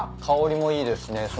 香りもいいですしね